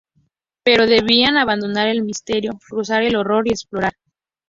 Pero debían abandonar el misterio, cruzar el horror y explorar.